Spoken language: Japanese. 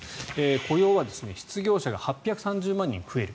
雇用は失業者が８３０万人増える。